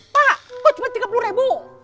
pak kok cuma rp tiga puluh